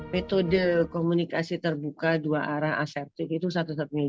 metode komunikasi terbuka dua arah asertif itu satu satunya